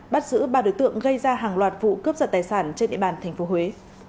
bắt giữ ba đối tượng gây ra hàng loạt vụ cướp giật tài sản trên địa bàn tp huế